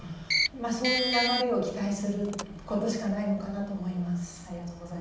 そういう流れを期待することしかないのかなと思います。